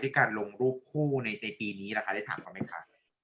การลงรูปคู่ในปีนี้นะคะได้ถามเขาไหมคะ